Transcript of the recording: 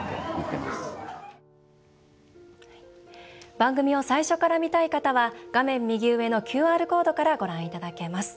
番組を最初から見たい方は画面右上のＱＲコードからご覧いただけます。